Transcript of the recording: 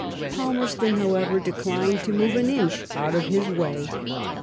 Palmerston, however, declined to move an inch out of his way.